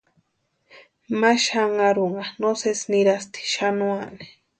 Ma xanharunha no sési nirasti xanuani.